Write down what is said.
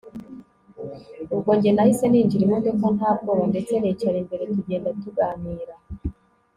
ubwo njye nahise ninjira imodoka ntabwoba ndetse nicara imbere tugenda tuganira